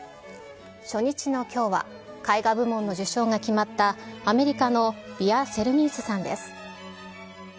初日のきょうは、絵画部門の受賞が決まった、アメリカのヴィヤ・セルミンスさんです。